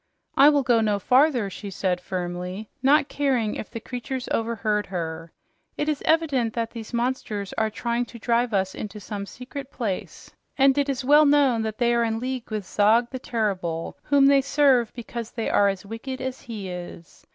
"I will go no farther," she said firmly, not caring if the monsters overheard her. "It is evident that these monsters are trying to drive us into some secret place, and it is well known that they are in league with Zog the Terrible, whom they serve because they are as wicked as he is.